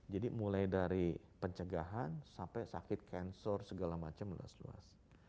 jadi mulai dari pencegahan sampai sakit cancer segala macam luas luas